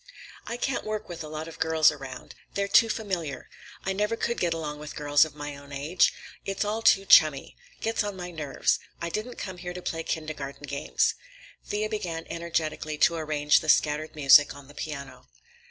"I can't work with a lot of girls around. They're too familiar. I never could get along with girls of my own age. It's all too chummy. Gets on my nerves. I didn't come here to play kindergarten games." Thea began energetically to arrange the scattered music on the piano.